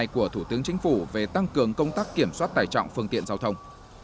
của thủ tướng chính phủ về tăng cường công tác kiểm soát tài trọng phương tiện giao thông